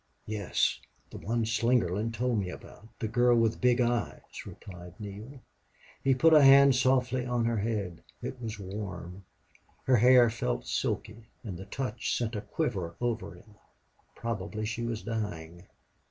"Yes the one Slingerland told me about the girl with big eyes," replied Neale. He put a hand softly on her head. It was warm. Her hair felt silky, and the touch sent a quiver over him. Probably she was dying.